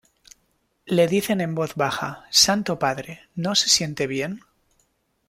Le dicen en voz baja: "Santo Padre, ¿no se siente bien?